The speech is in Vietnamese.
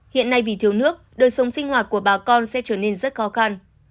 hiện nay vì thiếu nước đời sống sinh hoạt của bà con sẽ trở nên rất khó khăn